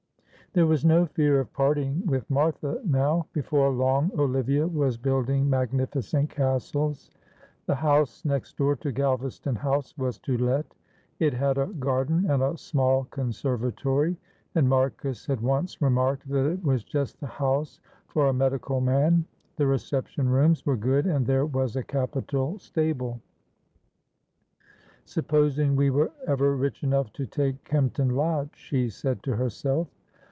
There was no fear of parting with Martha now; before long Olivia was building magnificent castles. The house next door to Galvaston House was to let, it had a garden and a small conservatory, and Marcus had once remarked that it was just the house for a medical man; the reception rooms were good and there was a capital stable. "Supposing we were ever rich enough to take Kempton Lodge," she said to herself.